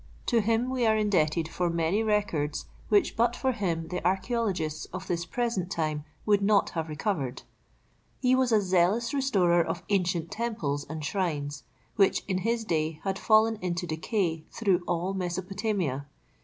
To him we are indebted for many records which but for him the archæologists of this present time would not have recovered. He was a zealous restorer of ancient temples and shrines, which in his day had fallen into decay through all Mesopotamia.